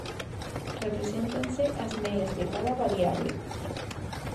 Represéntanse as medias de cada variable.